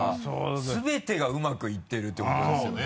全てがうまくいってるってことですよね。